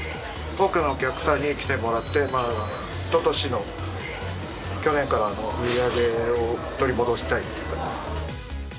多くのお客様に来てもらって、おととしの去年からの売り上げを取り戻したいという感じですね。